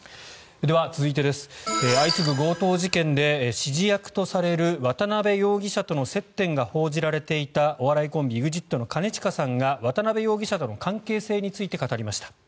では、続いて相次ぐ強盗事件で指示役とされる渡邉容疑者との接点が報じられていたお笑いコンビ、ＥＸＩＴの兼近さんが渡邉容疑者との関係性について語りました。